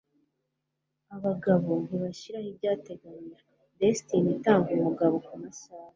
abagabo ntibashiraho ibyateganijwe, destiny itanga umugabo kumasaha